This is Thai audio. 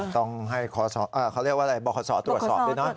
ต้องให้คอสอบเขาเรียกว่าอะไรบริษัทตรวจสอบด้วยนะ